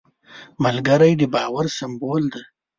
ملګری د باور سمبول دی